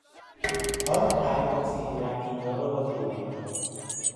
फल खाएपछि रानी गर्भवती भइन् ।